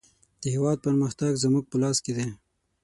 د هېواد پرمختګ زموږ په لاس کې دی.